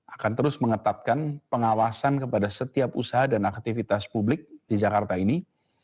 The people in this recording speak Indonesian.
akan terus mengetatkan pengawasan kepada setiap usaha dan aktivitas publik di jakarta ini